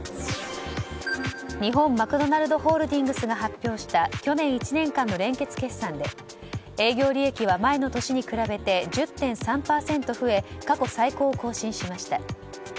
日本マクドナルドホールディングスが発表した去年１年間の連結決算で営業利益は前の年に比べて１０．３％増え過去最高を更新しました。